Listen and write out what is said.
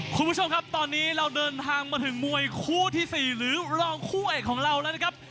คุณผู้ชมครับตอนนี้เราเดินทางมาถึงมวยคู่ที่๔หรือรองคู่เอกของเราแล้วนะครับ